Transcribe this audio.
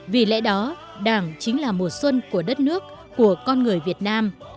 vì lẽ đó đảng chính là mùa xuân của đất nước của con người việt nam